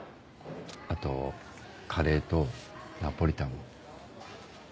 あとカレーとナポリタンも。